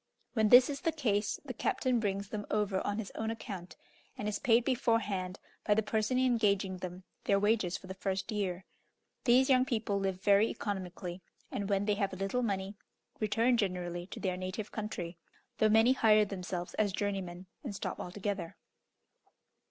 When this is the case, the captain brings them over on his own account, and is paid beforehand, by the person engaging them, their wages for the first year. These young people live very economically, and when they have a little money, return generally to their native country, though many hire themselves as journeymen, and stop altogether.